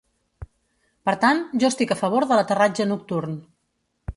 Per tant, jo estic a favor de l'aterratge nocturn.